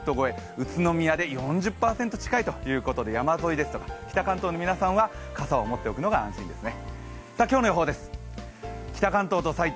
宇都宮で４０％近いということで、山沿いですと、北関東の皆さんは傘を持っておくのが安心ですね。